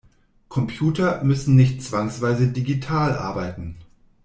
Computer müssen nicht zwangsweise digital arbeiten.